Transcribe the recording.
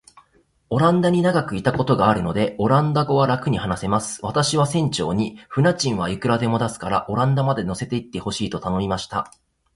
オランダに長らくいたことがあるので、オランダ語はらくに話せます。私は船長に、船賃はいくらでも出すから、オランダまで乗せて行ってほしいと頼みました。